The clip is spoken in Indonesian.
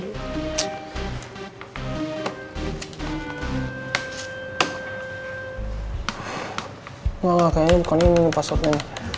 engga engga kayaknya bukan ini passwordnya